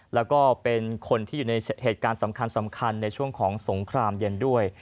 แล้วก็เป็นคนที่อยู่ในเหตุการณ์สำคัญในช่วงของสงครามเย็นด้วย